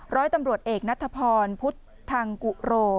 ร้อยตำรวจเอกนัทพรพุทธทางกุโร